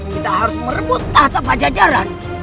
kita harus merebut tahta pajajaran